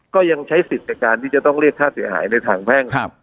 ก็ยังใช้สิทธิ์ในการที่จะต้องเรียกค่าเสียหายในทางแพ่ง